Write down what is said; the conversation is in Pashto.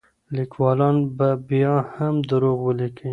لیکوالان به بیا هم دروغ ولیکي.